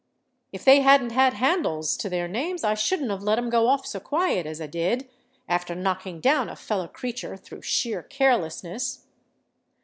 If they hadn't had handles to their names I shouldn't have let 'em go off so quiet as I did, after knocking down a feller creatur' through sheer carelessness."